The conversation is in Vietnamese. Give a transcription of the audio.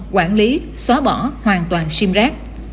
quản lý xóa bỏ hoàn toàn xim rác